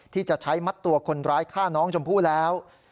ที่จะใช้มัดตัวคนร้ายฆ่าน้องชมพู่แล้ว